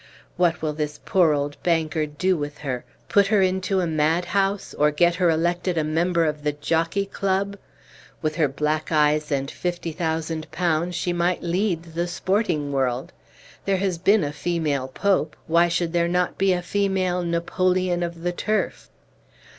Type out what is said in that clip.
What will this poor old banker do with her? put her into a mad house, or get her elected a member of the jockey club? With her black eyes and fifty thousand pounds, she might lead the sporting world. There has been a female pope, why should there not be a female 'Napoleon of the Turf?'"